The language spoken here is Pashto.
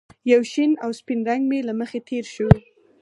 یو شین او سپین رنګ مې له مخې تېر شو